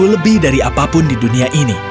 lebih dari apapun di dunia ini